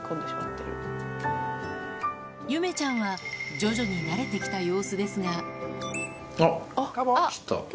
ゆめちゃんは徐々に慣れて来た様子ですがあっ来た。